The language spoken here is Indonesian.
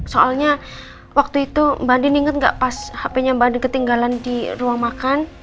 soalnya waktu itu mbak andin inget gak pas hpnya mbak andin ketinggalan di ruang makan